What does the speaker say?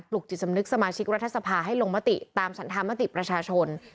ลุกจิตสำนึกสมาชิกรัฐสภาให้ลงมติตามฉันธรรมติประชาชน